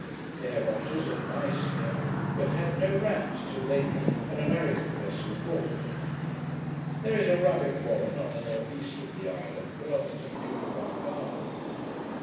They have otters and mice here; but had no rats till lately that an American vessel brought them. There is a rabbit warren on the north east of the island, belonging to the Duke of Argyle.